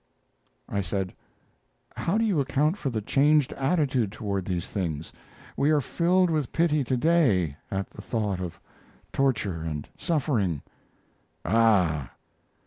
I said, "How do you account for the changed attitude toward these things? We are filled with pity to day at the thought of torture and suffering." "Ah!